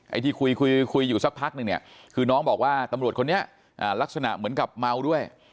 ที่คุยคุยอยู่สักพักนึงเนี่ยคือน้องบอกว่าตำรวจคนนี้ลักษณะเหมือนกับเมาด้วย